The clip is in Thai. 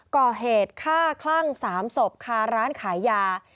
ก่อเหตุฆ่าคลั่ง๓ศพคาร้านขายยา